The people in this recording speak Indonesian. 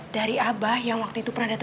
di sini ada